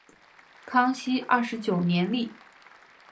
康熙二十九年立。